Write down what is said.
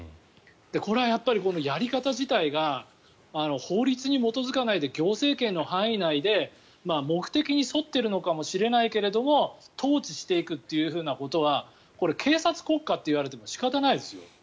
これはやっぱりこのやり方自体が法律に基づかないで行政権の範囲内で目的に沿っているのかもしれないけれど統治していくということは警察国家と言われても仕方ないですよ。